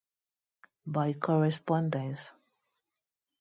By Correspondence.